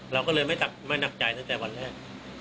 เราก็เลยไม่หนักใจตั้งแต่วันแรก